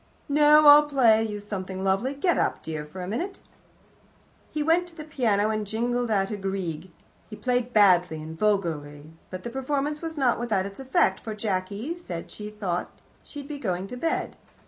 "No; I'll play you something lovely. Get up, dear, for a minute." He went to the piano and jingled out a little Grieg. He played badly and vulgarly, but the performance was not without its effect, for Jacky said she thought she'd be going to bed.